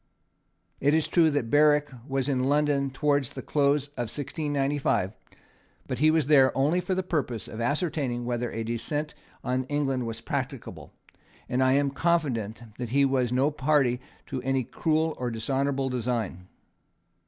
It is true that Berwick was in London towards the close of 1695; but he was there only for the purpose of ascertaining whether a descent on England was practicable; and I am confident that he was no party to any cruel and dishonourable design."